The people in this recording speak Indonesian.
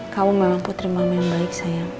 kau memang putri mama yang baik sayang